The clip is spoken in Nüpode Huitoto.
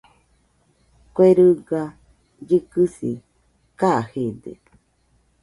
Kue riga llɨkɨsi kajede.